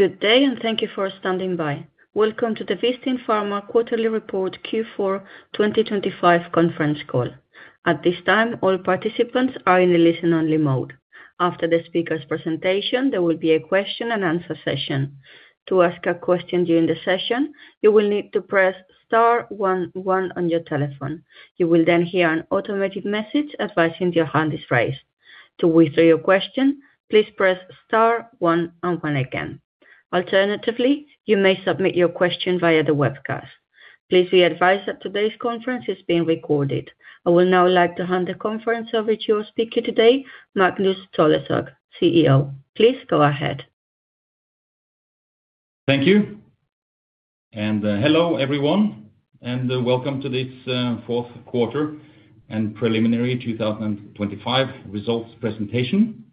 Good day, and thank you for standing by. Welcome to the Vistin Pharma quarterly report Q4 2025 conference call. At this time, all participants are in a listen-only mode. After the speaker's presentation, there will be a question and answer session. To ask a question during the session, you will need to press star one one on your telephone. You will then hear an automated message advising your hand is raised. To withdraw your question, please press star one and one again. Alternatively, you may submit your question via the webcast. Please be advised that today's conference is being recorded. I would now like to hand the conference over to your speaker today, Magnus Tolleshaug, CEO. Please go ahead. Thank you, and, hello, everyone, and, welcome to this, fourth quarter and preliminary 2025 results presentation.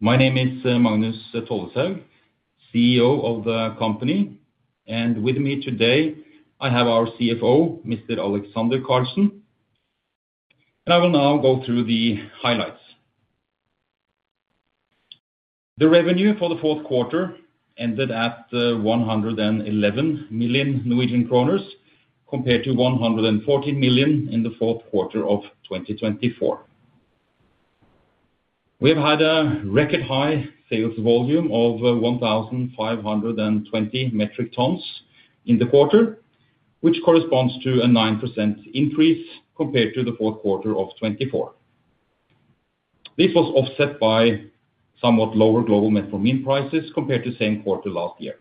My name is, Magnus Tolleshaug, CEO of the company, and with me today, I have our CFO, Mr. Alexander Karlsen, and I will now go through the highlights. The revenue for the fourth quarter ended at 111 million Norwegian kroner, compared to 140 million in the fourth quarter of 2024. We have had a record high sales volume of 1,520 metric tons in the quarter, which corresponds to a 9% increase compared to the fourth quarter of 2024. This was offset by somewhat lower global metformin prices compared to the same quarter last year.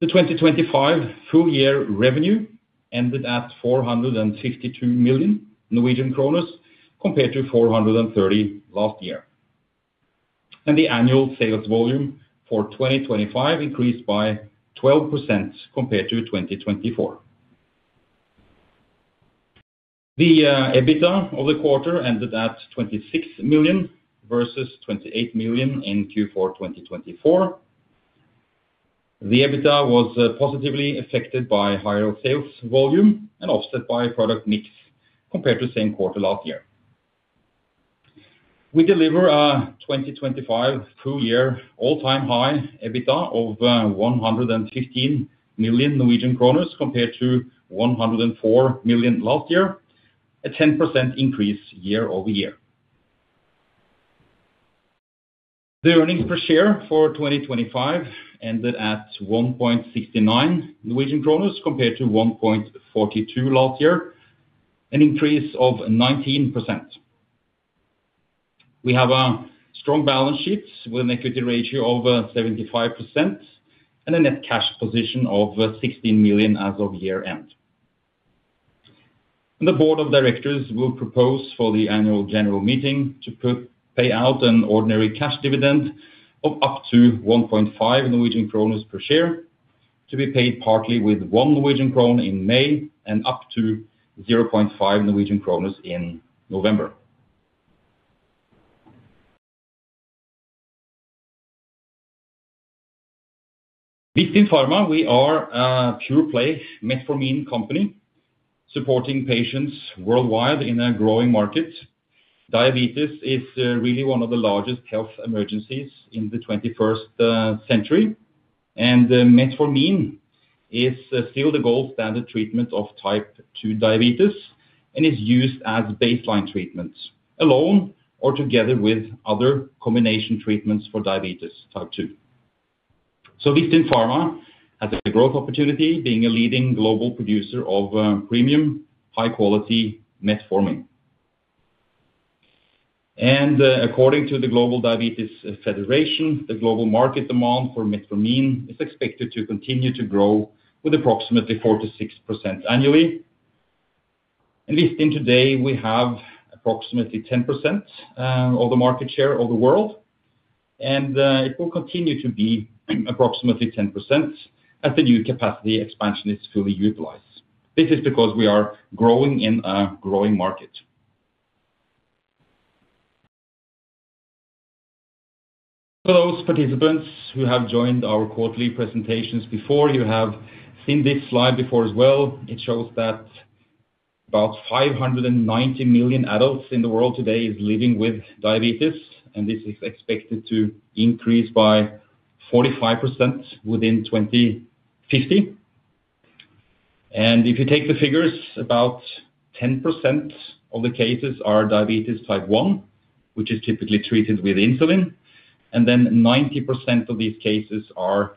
The 2025 full year revenue ended at 452 million Norwegian kroner, compared to 430 million last year, and the annual sales volume for 2025 increased by 12% compared to 2024. The EBITDA of the quarter ended at 26 million versus 28 million in Q4 2024. The EBITDA was positively affected by higher sales volume and offset by product mix compared to the same quarter last year. We deliver a 2025 full year, all-time high EBITDA of one hundred and fifteen million Norwegian kroners, compared to 104 million last year, a 10% increase year-over-year. The earnings per share for 2025 ended at 1.69 Norwegian kroner, compared to 1.42 NOK last year, an increase of 19%. We have a strong balance sheet with an equity ratio over 75% and a net cash position of 16 million as of year-end. The board of directors will propose for the annual general meeting to pay out an ordinary cash dividend of up to one point five NOK per share, to be paid partly with one NOK in May and up to zero point five NOK in November. Vistin Pharma, we are a pure play metformin company, supporting patients worldwide in a growing market. Diabetes is really one of the largest health emergencies in the twenty-first century, and metformin is still the gold standard treatment of Type two diabetes and is used as baseline treatments, alone or together with other combination treatments for diabetes Type two. So Vistin Pharma has a growth opportunity being a leading global producer of premium, high-quality metformin. According to the Global Diabetes Federation, the global market demand for metformin is expected to continue to grow with approximately 4%-6% annually. At Vistin today, we have approximately 10%, uh, of the market share of the world, and it will continue to be approximately 10% as the new capacity expansion is fully utilized. This is because we are growing in a growing market. For those participants who have joined our quarterly presentations before, you have seen this slide before as well. It shows that about 590 million adults in the world today is living with diabetes, and this is expected to increase by 45% within 2050. And if you take the figures, about 10% of the cases are type one diabetes, which is typically treated with insulin, and then 90% of these cases are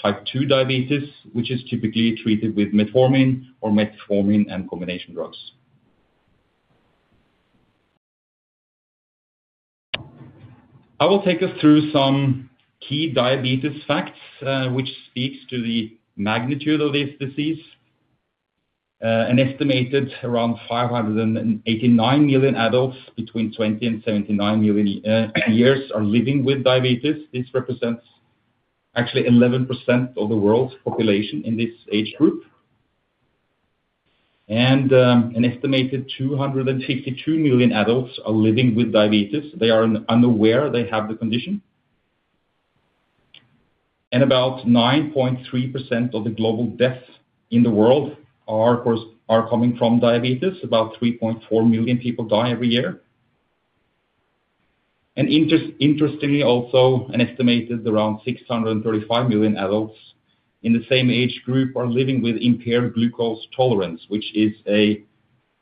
type two diabetes, which is typically treated with metformin or metformin and combination drugs. I will take us through some key diabetes facts, which speaks to the magnitude of this disease. An estimated around 589 million adults between 20 and 79 years are living with diabetes. This represents actually 11% of the world's population in this age group. An estimated 252 million adults are living with diabetes. They are unaware they have the condition. And about 9.3% of the global deaths in the world are, of course, coming from diabetes. About 3.4 million people die every year. Interestingly, an estimated around 635 million adults in the same age group are living with impaired glucose tolerance, which is a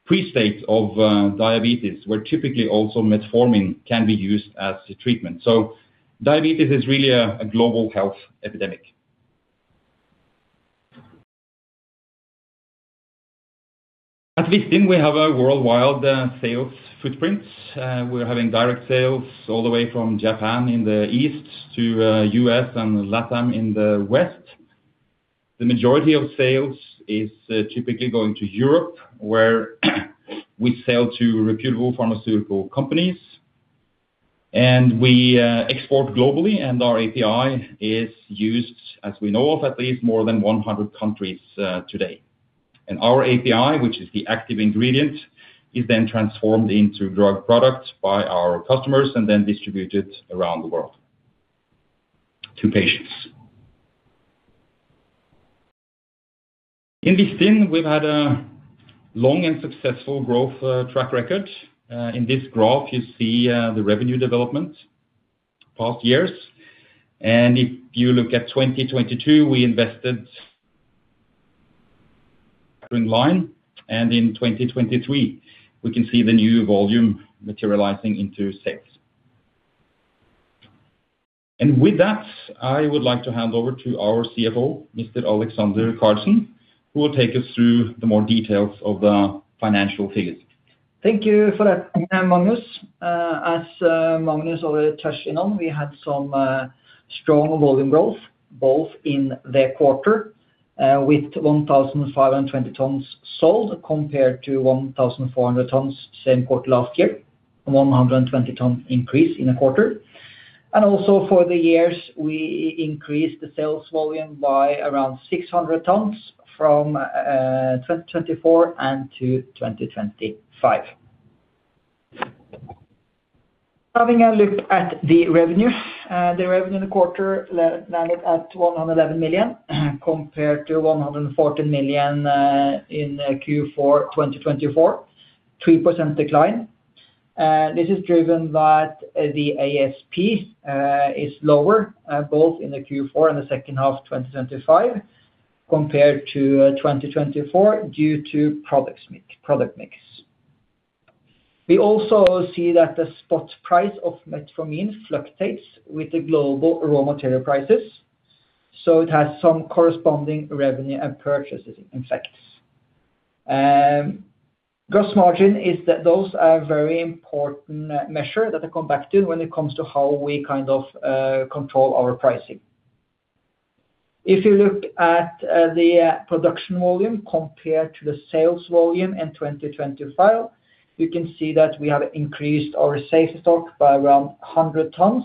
pre-state of diabetes, where typically also metformin can be used as the treatment. So diabetes is really a global health epidemic. At Vistin, we have a worldwide sales footprint. We're having direct sales all the way from Japan in the east to U.S. and LATAM in the west. The majority of sales is typically going to Europe, where we sell to reputable pharmaceutical companies, and we export globally, and our API is used, as we know of, at least more than 100 countries today. And our API, which is the active ingredient, is then transformed into drug products by our customers and then distributed around the world to patients. In Vistin, we've had a long and successful growth track record. In this graph, you see the revenue development past years. And if you look at 2022, we invested in line, and in 2023, we can see the new volume materializing into sales. And with that, I would like to hand over to our CFO, Mr. Alexander Karlsen, who will take us through the more details of the financial figures. Thank you for that, Magnus. As Magnus already touched in on, we had some strong volume growth, both in the quarter with 1,520 tons sold, compared to 1,400 tons, same quarter last year, 120-ton increase in a quarter. And also for the years, we increased the sales volume by around 600 tons from 2024 and to 2025. Having a look at the revenue. The revenue in the quarter landed at 111 million, compared to 114 million in Q4 2024, 3% decline. This is driven by the ASP is lower both in the Q4 and the second half of 2025, compared to 2024, due to product mix. We also see that the spot price of Metformin fluctuates with the global raw material prices, so it has some corresponding revenue and purchases effects. Gross margin is that those are very important measure that I come back to when it comes to how we kind of control our pricing. If you look at the production volume compared to the sales volume in 2025, you can see that we have increased our safety stock by around 100 tons,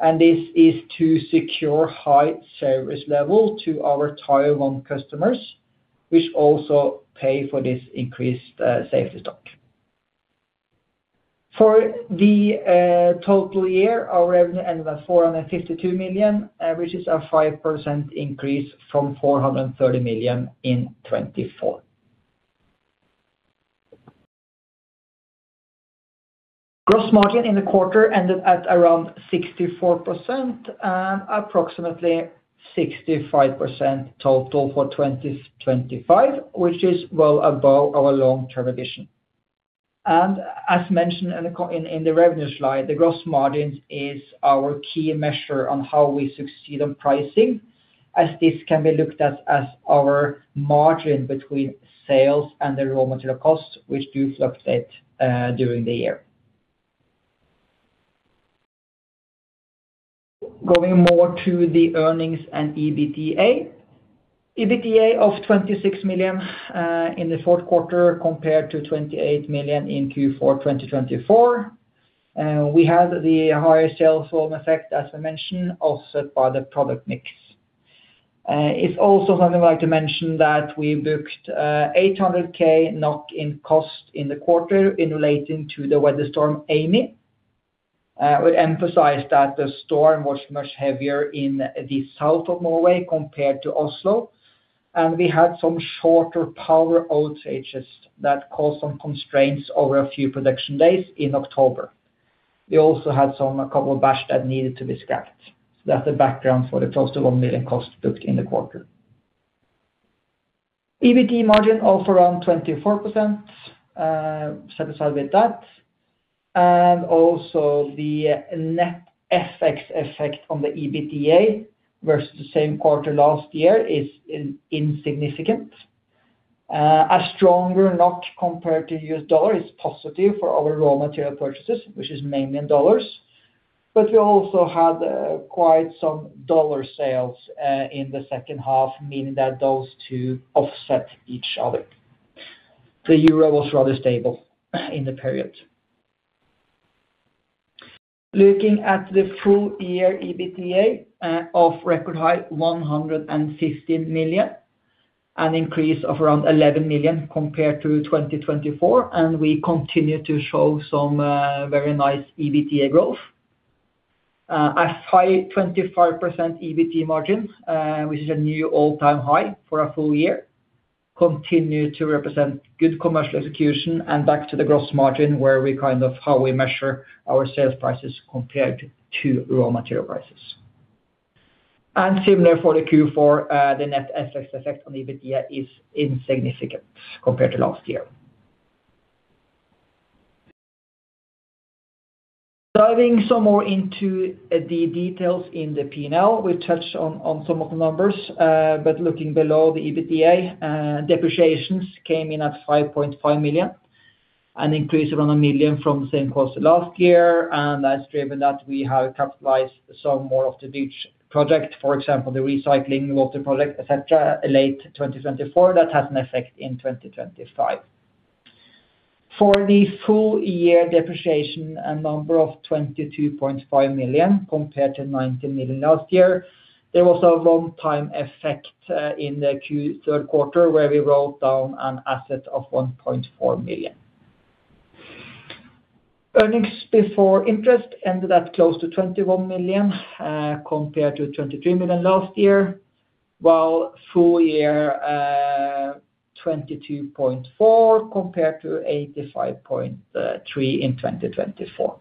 and this is to secure high service level to our Tier One customers, which also pay for this increased safety stock. For the total year, our revenue ended at 452 million, which is a 5% increase from 430 million in 2024. Gross margin in the quarter ended at around 64%, and approximately 65% total for 2025, which is well above our long-term vision. As mentioned in the revenue slide, the gross margin is our key measure on how we succeed on pricing, as this can be looked at as our margin between sales and the raw material costs, which do fluctuate during the year. Going more to the earnings and EBITDA. EBITDA of 26 million in the fourth quarter, compared to 28 million in Q4 2024. We had the higher sales volume effect, as I mentioned, offset by the product mix. It's also something I'd like to mention that we booked 800,000 NOK in cost in the quarter in relating to the weather storm Amy. I would emphasize that the storm was much heavier in the south of Norway compared to Oslo, and we had some shorter power outages that caused some constraints over a few production days in October. We also had a couple of batches that needed to be scrapped. So that's the background for the close to one million costs booked in the quarter. EBITDA margin of around 24%, satisfied with that. And also the net FX effect on the EBITDA versus the same quarter last year is insignificant. A stronger NOK compared to U.S. dollar is positive for our raw material purchases, which is mainly in dollars. But we also had quite some dollar sales in the second half, meaning that those two offset each other. The euro was rather stable in the period. Looking at the full year EBITDA of record high 115 million, an increase of around 11 million compared to 2024, and we continue to show some very nice EBITDA growth. A high 25% EBIT margin, which is a new all-time high for a full year, continue to represent good commercial execution and back to the gross margin where we kind of how we measure our sales prices compared to raw material prices. Similar for the Q4, the net FX effect on the EBITDA is insignificant compared to last year. Diving some more into the details in the P&L, we've touched on some of the numbers, but looking below the EBITDA, depreciations came in at 5.5 million, an increase around one million from the same quarter last year, and that's driven that we have capitalized some more of the beach project, for example, the recycling water project, et cetera, late 2024, that has an effect in 2025. For the full year depreciation, a number of 22.5 million compared to 19 million last year, there was a one-time effect in the Q3, where we wrote down an asset of 1.4 million. Earnings before interest ended at close to 21 million compared to 23 million last year, while full year 22.4 compared to 85.3 in 2024.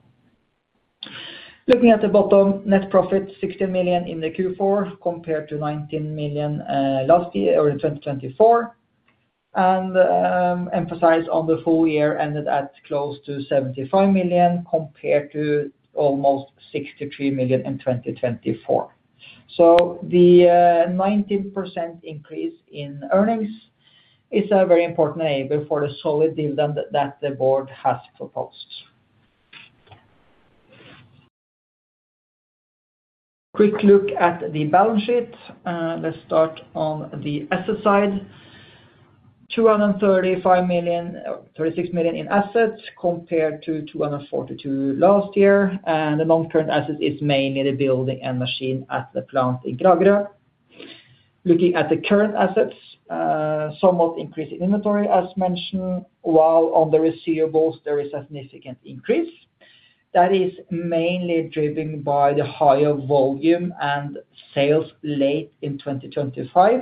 Looking at the bottom, net profit, 16 million in the Q4 compared to 19 million last year or in 2024. Emphasize on the full year ended at close to 75 million, compared to almost 63 million in 2024. So the 19% increase in earnings is a very important enable for the solid deal that the board has proposed. Quick look at the balance sheet. Let's start on the asset side. 236 million in assets compared to 242 million last year, and the long-term asset is mainly the building and machine at the plant in Kragerø. Looking at the current assets, somewhat increase in inventory, as mentioned, while on the receivables there is a significant increase. That is mainly driven by the higher volume and sales late in 2025.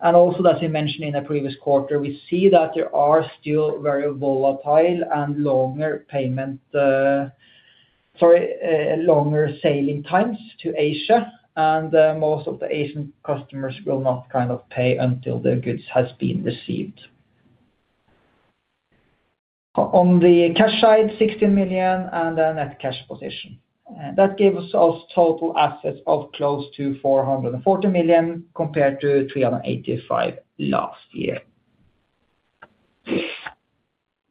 Also, as we mentioned in the previous quarter, we see that there are still very volatile and longer payment, sorry, longer sailing times to Asia, and most of the Asian customers will not kind of pay until their goods has been received. On the cash side, 16 million and a net cash position. That gives us total assets of close to 440 million, compared to 385 million last year.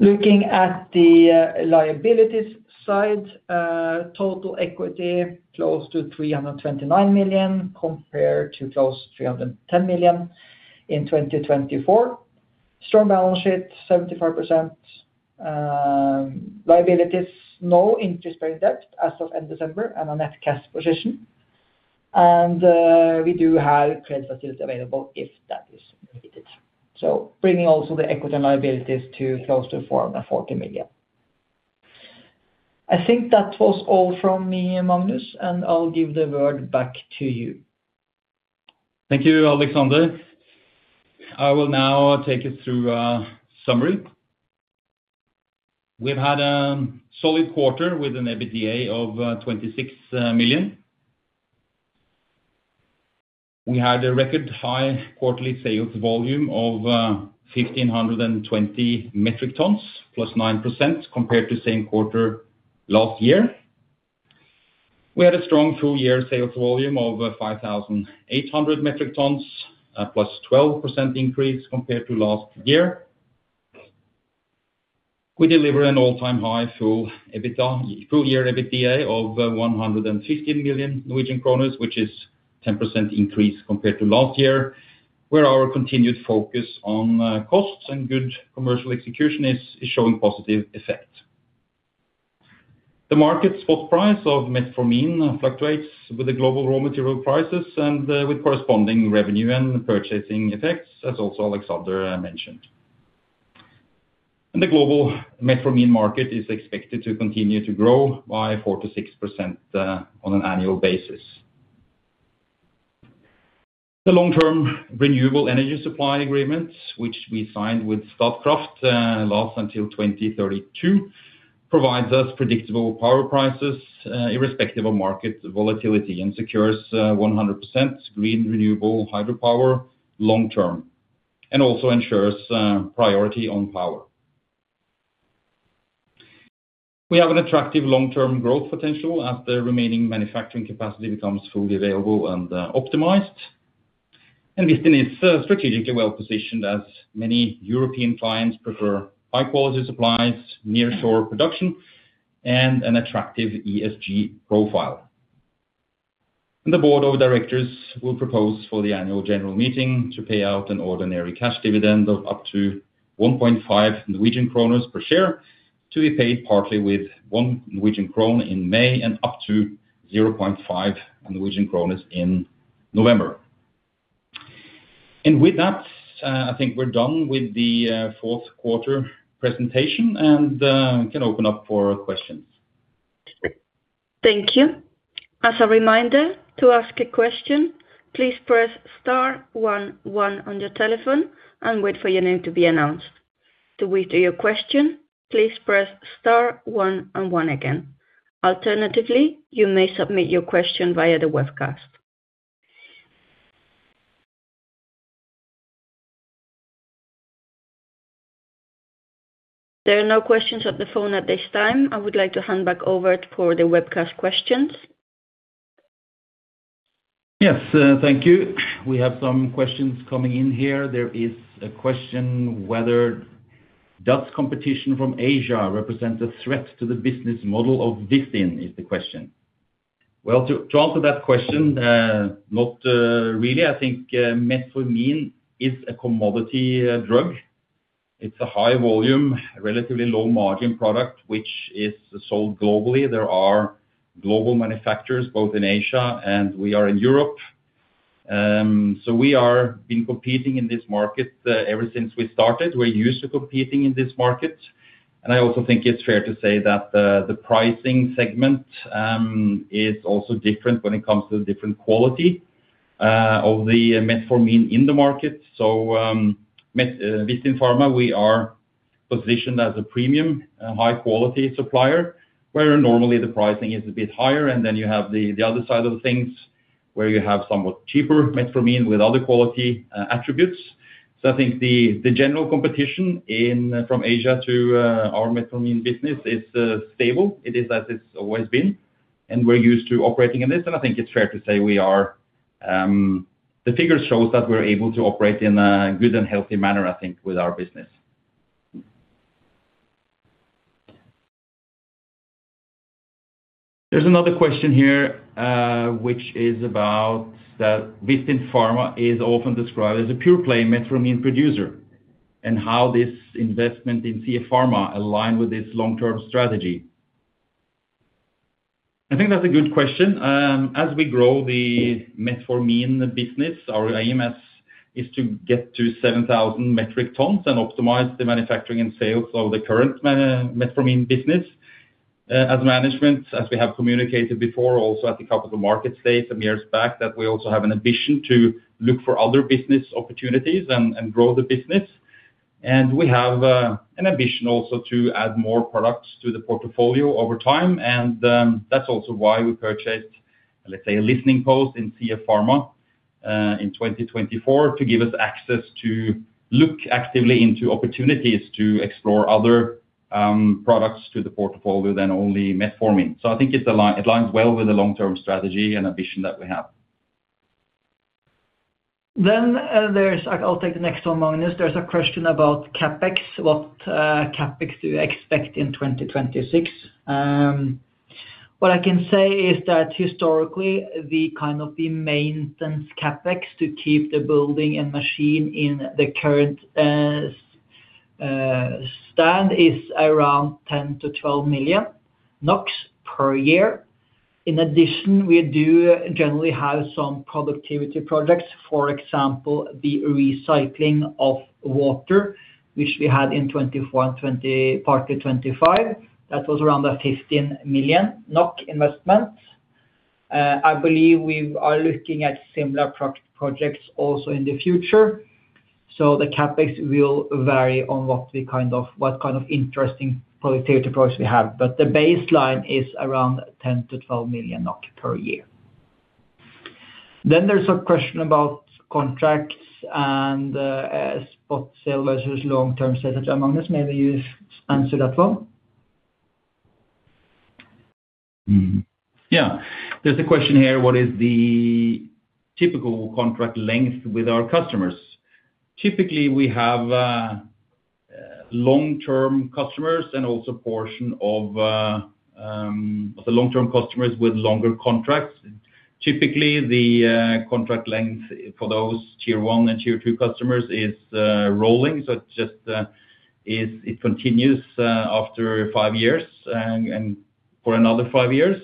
Looking at the liabilities side, total equity close to 329 million, compared to close to 310 million in 2024. Strong balance sheet, 75% liabilities, no interest-bearing debt as of end December, and a net cash position. We do have credit facilities available if that is needed. So bringing also the equity liabilities to close to 440 million. I think that was all from me, Magnus, and I'll give the word back to you. Thank you, Alexander. I will now take you through a summary. We've had a solid quarter with an EBITDA of 26 million. We had a record high quarterly sales volume of 1,520 metric tons, +9% compared to same quarter last year. We had a strong full year sales volume of 5,800 metric tons, +12% increase compared to last year. We deliver an all-time high full EBITDA, full year EBITDA of 115 million Norwegian kroners, which is 10% increase compared to last year, where our continued focus on costs and good commercial execution is, is showing positive effect. The market spot price of Metformin fluctuates with the global raw material prices and with corresponding revenue and purchasing effects, as also Alexander mentioned. The global metformin market is expected to continue to grow by 4%-6% on an annual basis. The long-term renewable energy supply agreements, which we signed with Statkraft, last until 2032, provides us predictable power prices, irrespective of market volatility and secures 100% green, renewable hydropower long term, and also ensures priority on power. We have an attractive long-term growth potential as the remaining manufacturing capacity becomes fully available and optimized. Vistin is strategically well positioned as many European clients prefer high-quality supplies, nearshore production, and an attractive ESG profile. The board of directors will propose for the annual general meeting to pay out an ordinary cash dividend of up to one point five NOK per share. to be paid partly with one NOK in May and up to zero point five NOK in November. And with that, I think we're done with the fourth quarter presentation, and we can open up for questions. Thank you. As a reminder, to ask a question, please press star one one on your telephone and wait for your name to be announced. To withdraw your question, please press star one and one again. Alternatively, you may submit your question via the webcast. There are no questions at the phone at this time. I would like to hand back over for the webcast questions. Yes, thank you. We have some questions coming in here. There is a question whether competition from Asia represents a threat to the business model of Vistin, is the question. Well, to answer that question, not really. I think metformin is a commodity drug. It's a high volume, relatively low margin product, which is sold globally. There are global manufacturers, both in Asia and we are in Europe. So we have been competing in this market ever since we started. We're used to competing in this market, and I also think it's fair to say that the pricing segment is also different when it comes to the different quality of the metformin in the market. So, Vistin Pharma, we are positioned as a premium, high quality supplier, where normally the pricing is a bit higher, and then you have the other side of things, where you have somewhat cheaper metformin with other quality attributes. So I think the general competition in... from Asia to our metformin business is stable. It is as it's always been, and we're used to operating in this, and I think it's fair to say we are, the figures shows that we're able to operate in a good and healthy manner, I think, with our business. There's another question here, which is about, that Vistin Pharma is often described as a pure-play metformin producer, and how this investment in CF Pharma align with this long-term strategy. I think that's a good question. As we grow the metformin business, our aim is to get to 7,000 metric tons and optimize the manufacturing and sales of the current metformin business. As management, as we have communicated before, also at the capital market stage some years back, that we also have an ambition to look for other business opportunities and grow the business. And we have an ambition also to add more products to the portfolio over time. And that's also why we purchased, let's say, a listening post in C.F. Pharma in 2024, to give us access to look actively into opportunities to explore other products to the portfolio than only metformin. So I think it aligns well with the long-term strategy and ambition that we have. Then, there's. I'll take the next one, Magnus. There's a question about CapEx. What CapEx do you expect in 2026? What I can say is that historically, we kind of the maintenance CapEx to keep the building and machine in the current stand is around 10-12 million NOK per year. In addition, we do generally have some productivity projects. For example, the recycling of water, which we had in 2024 and partly 2025. That was around 15 million NOK investment. I believe we are looking at similar projects also in the future. So the CapEx will vary on what kind of interesting productivity projects we have. But the baseline is around 10-12 million NOK per year. Then there's a question about contracts and spot sales versus long-term sales, among this. Maybe you answer that one. Mm-hmm. Yeah. There's a question here: What is the typical contract length with our customers? Typically, we have long-term customers and also portion of the long-term customers with longer contracts. Typically, the contract length for those tier one and tier two customers is rolling, so it just is—it continues after five years, and for another five years.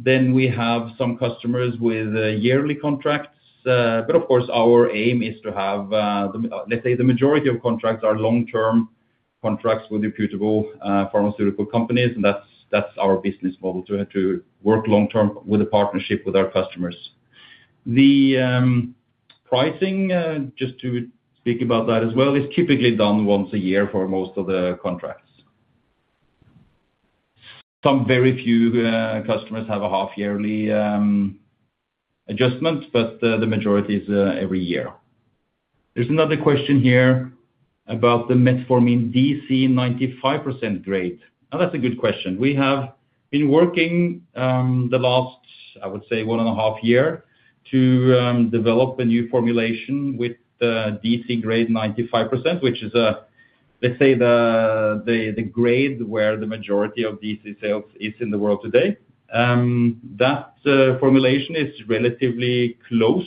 Then we have some customers with yearly contracts, but of course, our aim is to have, let's say, the majority of contracts are long-term contracts with reputable pharmaceutical companies, and that's our business model, to work long-term with a partnership with our customers. The pricing just to speak about that as well is typically done once a year for most of the contracts. Some very few customers have a half-yearly adjustment, but the majority is every year. There's another question here about the Metformin DC 95% grade. Now, that's a good question. We have been working the last, I would say, one point five years, to develop a new formulation with the DC grade 95%, which is, let's say the grade where the majority of DC sales is in the world today. That formulation is relatively close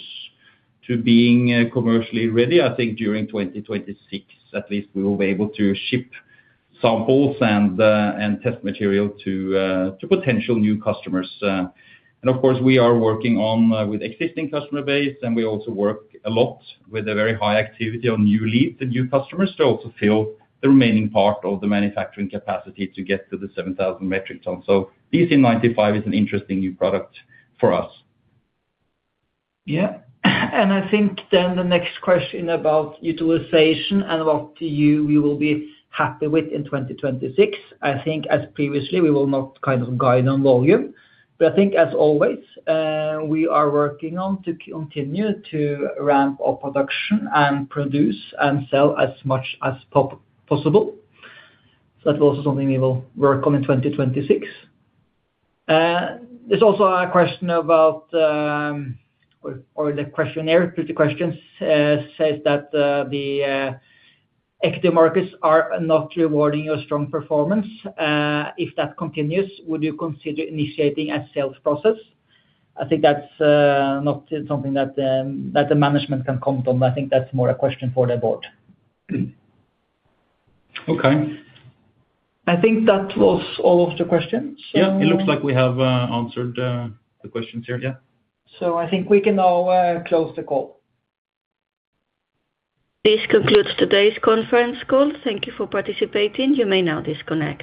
to being commercially ready. I think during 2026, at least we will be able to ship samples and test material to potential new customers. And of course, we are working on with existing customer base, and we also work a lot with a very high activity on new leads and new customers to also fill the remaining part of the manufacturing capacity to get to the 7,000 metric tons. So DC 95 is an interesting new product for us. Yeah. And I think then the next question about utilization and what you will be happy with in 2026. I think as previously, we will not kind of guide on volume, but I think as always, we are working on to continue to ramp up production and produce and sell as much as possible. So that's also something we will work on in 2026. There's also a question about, or the question there, but the questions says that the equity markets are not rewarding your strong performance. If that continues, would you consider initiating a sales process? I think that's not something that the management can comment on. I think that's more a question for the board. Okay. I think that was all of the questions. Yeah, it looks like we have answered the questions here. Yeah. So I think we can now close the call. This concludes today's conference call. Thank you for participating. You may now disconnect.